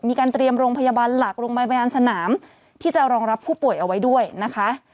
มีการเตรียมโรงพยาบาลหลักโรงพยาบาลสนามที่จะรองรับผู้ป่วยเอาไว้ด้วยนะคะ